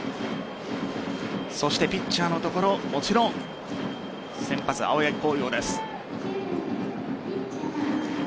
ピッチャーのところもちろん先発・青柳晃洋です。